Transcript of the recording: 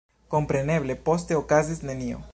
Kompreneble poste okazis nenio.